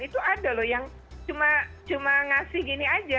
itu ada loh yang cuma ngasih gini aja